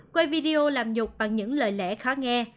quay video làm nhục bằng những lời lẽ khó nghe